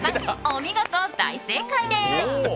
お見事、大正解です！